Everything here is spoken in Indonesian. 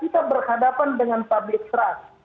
kita berhadapan dengan publik trans